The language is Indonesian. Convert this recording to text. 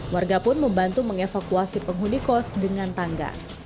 warga pun membantu mengevakuasi penghuni kos dengan tangga